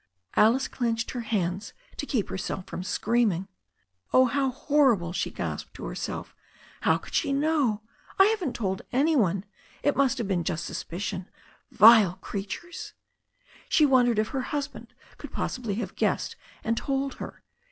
Alice clenched her hands to keep herself from screaming. "Oh, how horrible!" she gasped, to herself. "How could she know ? I haven't told any one. It must have been just suspicion. Vile creatures!" She wondered if her husband could possibly have guessed and told her.